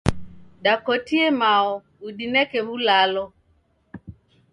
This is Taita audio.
Dakotie mao udineke w'ulalo.